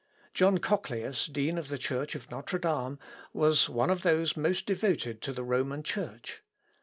John Cochlœus, dean of the church of Notre Dame, was one of those most devoted to the Roman Church.